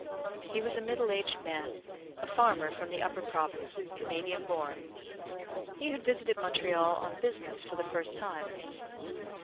He was a middle aged man, a farmer from the Upper Province, Canadian born. He had visited Montreal on business for the first time.